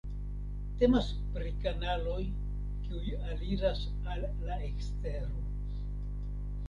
Temas pri kanaloj kiuj aliras al la ekstero.